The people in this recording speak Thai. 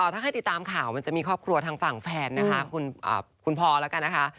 ถ้าใครติดตามข่าวมันจะมีครอบครัวทางฝั่งแฟนนะคะคุณพอแล้วกันนะคะ